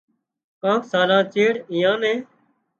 ڪانڪ سالان چيڙ ايئان نين